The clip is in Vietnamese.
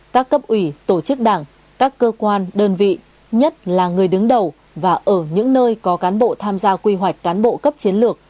các cấp ủy tổ chức đảng các cơ quan đơn vị nhất là người đứng đầu và ở những nơi có cán bộ tham gia quy hoạch cán bộ cấp chiến lược